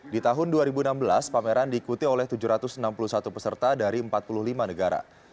di tahun dua ribu enam belas pameran diikuti oleh tujuh ratus enam puluh satu peserta dari empat puluh lima negara